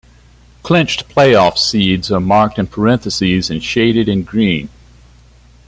Clinched playoff seeds are marked in parentheses and shaded in green.